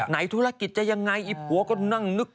ธุรกิจจะยังไงอีผัวก็นั่งนึก